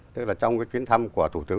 tức là trong cái chuyến thăm của thủ tướng